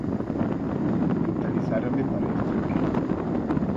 Mentalizárame para ir tranquilo.